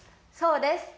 そうです。